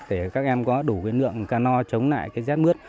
để các em có đủ nguyên lượng ca no chống lại rét mướt